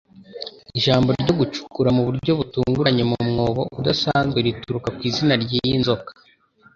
Ijambo ryo gucukura mu buryo butunguranye mu mwobo udasanzwe rituruka ku izina ryiyi nzoka